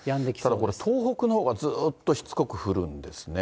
ただこれ、東北のほうがずーっとしつこく降るんですね。